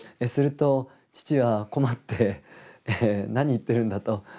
すると父は困って何言ってるんだと。